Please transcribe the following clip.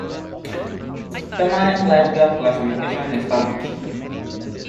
Permanent Lifeguard Classification established.